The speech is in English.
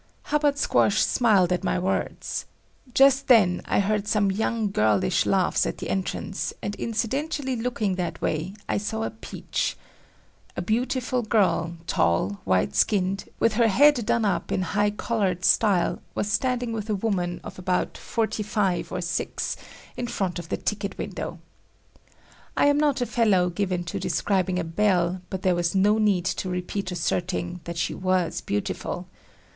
Hubbard Squash smiled at my words. Just then I heard some young girlish laughs at the entrance, and incidentally looking that way, I saw a "peach." A beautiful girl, tall, white skinned, with her head done up in "high collared" style, was standing with a woman of about forty five or six, in front of the ticket window. I am not a fellow given to describing a belle, but there was no need to repeat asserting that she was beautiful.